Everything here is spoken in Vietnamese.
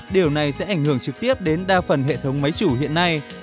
điều này sẽ ảnh hưởng trực tiếp đến đa phần hệ thống máy chủ hiện nay